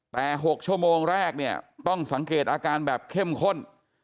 แต่๖ชั่วโมงแรกเนี่ยต้องสังเกตอาการแบบเข้มข้น